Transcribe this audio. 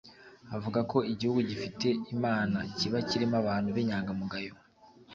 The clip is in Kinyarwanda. avuga ko igihugu gifite Imana kiba kirimo abantu b’inyangamugayo